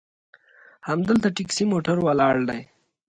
همدلته ټیکسي موټر ولاړ دي.